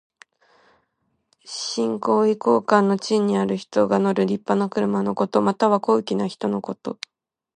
身高位高官の地位にある人が乗るりっぱな車のこと。または、高貴な人のこと。